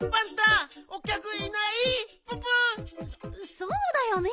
そうだよね。